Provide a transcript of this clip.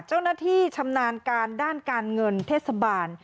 เจ้าหน้าที่ชำนาญการด้านการเงินเทศบาล